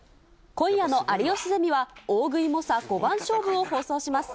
今夜の有吉ゼミは、大食い猛者５番勝負を放送します。